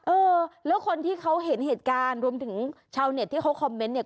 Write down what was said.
เออแล้วคนที่เขาเห็นเหตุการณ์รวมถึงชาวเน็ตที่เขาคอมเมนต์เนี่ย